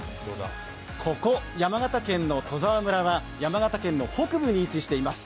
ここ山形県戸沢村は山形県の北部に位置しています。